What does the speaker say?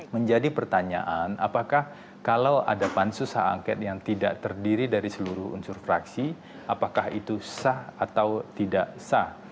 menjadi pertanyaan apakah kalau ada pansus hak angket yang tidak terdiri dari seluruh unsur fraksi apakah itu sah atau tidak sah